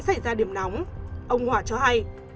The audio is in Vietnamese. xảy ra điểm nóng ông hòa cho hay